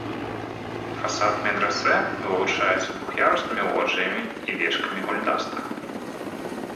Фасад медрэсэ вылучаецца двух'ярусныя лоджыямі і вежкамі-гульдаста.